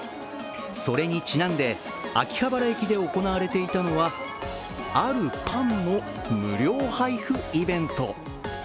それにちなんで秋葉原駅で行われていたのはあるパンの無料配布イベント。